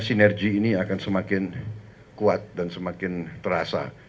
sinergi ini akan semakin kuat dan semakin terasa